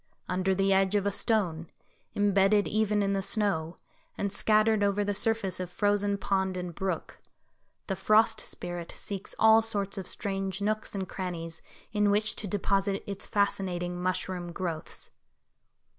Under the edge of a stone, imbedded even in the snow, and scattered over the surface of frozen pond and brook. The Frost Spirit seeks all sorts of strange nooks and crannies in which to deposit its fascinating mushroom growths.